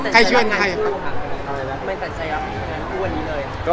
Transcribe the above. ใครก็ได้ช่วย